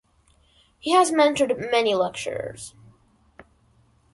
He has mentored many lecturers.